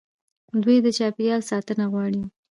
دوی د چاپیریال ساتنه غواړي.